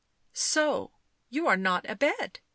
" So— you are not abed?"